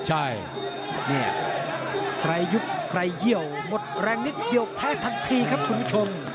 นี่ไร้ยุกใครเยี่ยวหมดร่างหนิบเยี่ยวแพลทักทีครับคุณผู้ชม